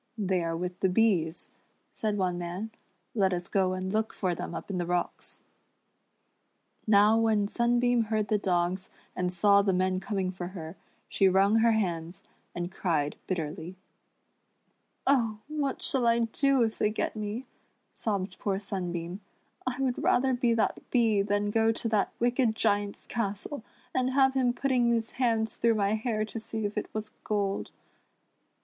"They are with the bees," said one man, "let us go and look for them up in the rooks." Now when Sunbeam heard the dogs, and saw the men coming for her, «he wrung her hands, and cried bitterly. 76 sUjYBEam and her white rabbit. "Oh! what shall I do if they get me," sobbed poor Sunbeam, " I would rather be that bee than go to that \vicked Giant's castle, and have him putting his hands through my hair to see if it was gold."